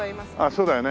そうだよね。